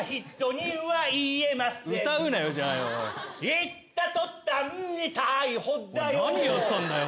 「言ったとたんに逮捕だよ」